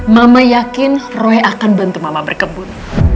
mama yakin roy akan bantu mama berkebun